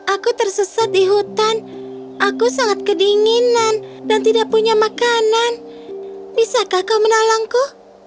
aku tersesat di hutan aku sangat kedinginan dan tidak punya makanan bisakah kau menolongku